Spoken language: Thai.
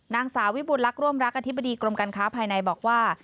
นางสาววิบุญลักษ์ร่วมรักอธิบดีกรมการค้าภายในบอกว่า